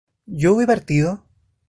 ¿yo hube partido?